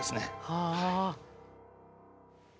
はあ。